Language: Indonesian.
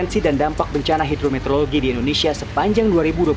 potensi dan dampak bencana hidrometeorologi di indonesia sepanjang dua ribu dua puluh satu